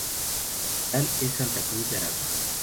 Su capital es Santa Cruz de Aragua.